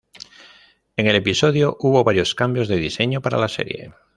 En el episodio hubo varios cambios de diseño para la serie.